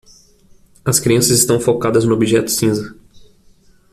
As crianças estão focadas no objeto cinza.